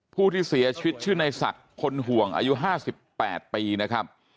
ผู้ที่เสียชีวิตชื่อในศักดิ์คนห่วงอายุ๕๘ปีนะครับ